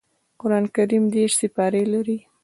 قران کريم دېرش سپاري لري